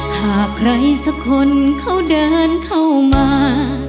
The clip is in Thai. หากใครสักคนเขาเดินเข้ามา